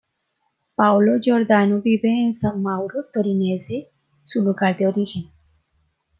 Paolo Giordano vive en San Mauro Torinese, su lugar de origen.